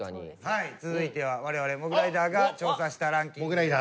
続いては我々モグライダーが調査したランキングです。